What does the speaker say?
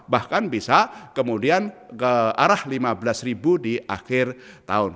bahkan bisa kemudian ke arah lima belas ribu di akhir tahun